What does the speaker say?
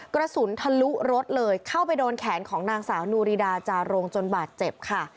กระสุนทะลุรถเลยเข้าไปโดนแขนของนางสาวนูรีดาจารงจนบาดเจ็บค่ะ